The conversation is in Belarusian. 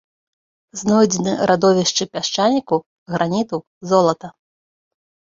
Знойдзены радовішчы пясчаніку, граніту, золата.